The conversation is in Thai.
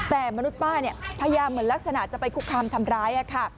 แต่มนุษย์ป้าพยายามเหมือนลักษณะจะไปคุกคามทำร้ายค่ะ